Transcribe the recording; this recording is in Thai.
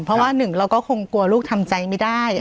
เพราะว่าหนึ่งเราก็คงกลัวลูกทำใจไม่ได้